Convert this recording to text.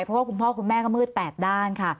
เพราะว่าคุณพ่อคุณแม่ก็มืด๘ด้านค่ะ